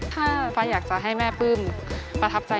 ถ้าฟ้าอยากจะให้แม่ปลื้มประทับใจ